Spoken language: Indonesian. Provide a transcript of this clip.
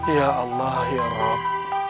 ya allah ya rab